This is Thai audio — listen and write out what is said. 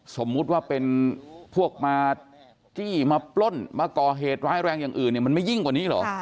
สมมุติว่าเป็นพวกมาจี้มาปล้นมาก่อเหตุร้ายแรงอย่างอื่นเนี่ยมันไม่ยิ่งกว่านี้เหรอ